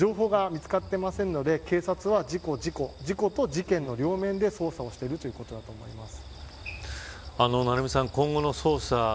そこに関しては、まだ情報が見つかっていないので警察は事故と事件の両面で捜査をしているということだと思います。